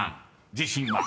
自信は？］